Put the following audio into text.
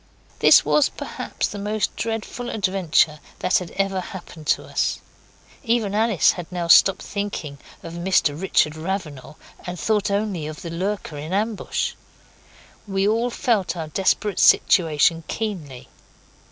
This was perhaps the most dreadful adventure that had then ever happened to us. Even Alice had now stopped thinking of Mr Richard Ravenal, and thought only of the lurker in ambush. We all felt our desperate situation keenly.